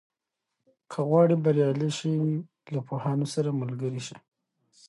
که غواړې بریالی شې، له پوهانو سره ملګری شه.